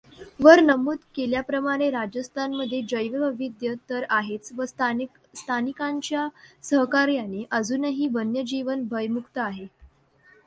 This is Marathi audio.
वर नमूद केल्याप्रमाणे राजस्थानमध्ये जैववैविध्य तर आहेच व स्थानिकांच्या सहकार्याने अजूनही वन्यजीवन भयमुक्त आहे.